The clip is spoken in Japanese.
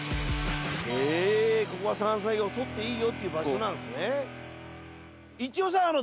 へえここは山菜を採っていいよっていう場所なんすね。